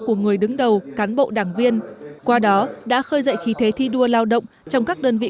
của người đứng đầu cán bộ đảng viên qua đó đã khơi dậy khí thế thi đua lao động trong các đơn vị